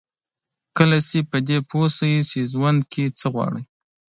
کله چې په دې پوه شئ چې ژوند کې څه غواړئ.